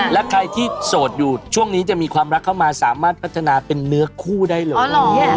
และใครที่โสดอยู่ช่วงนี้จะมีความรักเข้ามาสามารถพัฒนาเป็นเนื้อคู่ได้เลย